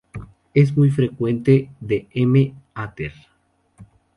Es muy diferente de "M. ater".